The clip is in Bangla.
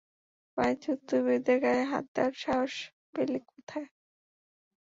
বাইঞ্চুদ, তুই মেয়েদের গায়ে হাত দেয়ার সাহস পেলি কোথায়!